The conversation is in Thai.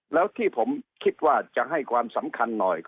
แล้วที่ผมคิดว่าจะให้ความสำคัญหน่อย